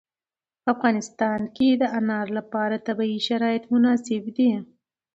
په افغانستان کې د انار لپاره طبیعي شرایط مناسب دي.